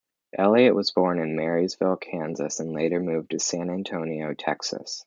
Elliott was born in Marysville, Kansas, and later moved to San Antonio, Texas.